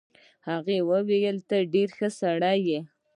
هغه وویل ته ډېر ښه سړی یې.